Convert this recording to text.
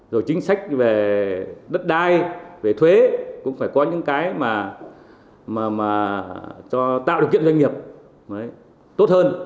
rồi chính sách về đất đai về thuế cũng phải có những cái mà tạo điều kiện doanh nghiệp tốt hơn